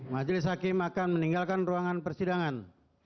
majelis hakim akan meninggalkan ruangan persidangan